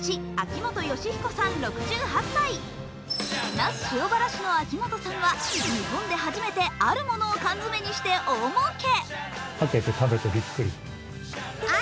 那須塩原市の秋元さんは、日本で初めてあるものを缶詰にして大もうけ。